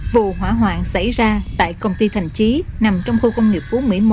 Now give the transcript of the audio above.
vụ hỏa hoạn xảy ra tại công ty thành trí nằm trong khu công nghiệp phú mỹ một